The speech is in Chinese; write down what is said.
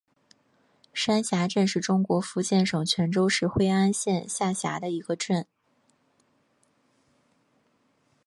山霞镇是中国福建省泉州市惠安县下辖的一个镇。